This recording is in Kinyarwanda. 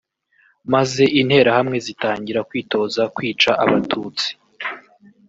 maze Interahamwe zitangira kwitoza kwica Abatutsi